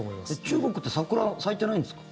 中国って桜、咲いてないんですか？